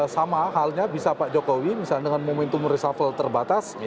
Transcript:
sama halnya bisa pak jokowi misalnya dengan momentum reshuffle terbatas